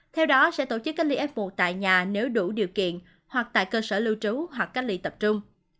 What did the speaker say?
theo đó sẽ tổ chức cách ly apple tại nhà nếu đủ điều kiện hoặc tại cơ sở lưu trú hoặc cách ly tập trung